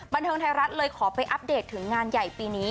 บันเทิงไทยรัฐเลยขอไปอัปเดตถึงงานใหญ่ปีนี้